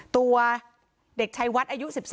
ตัวเด็กชายวัดอายุ๑๓